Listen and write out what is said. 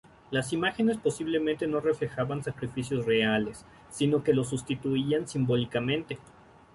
Las imágenes posiblemente no reflejaban sacrificios reales, sino que los sustituían simbólicamente.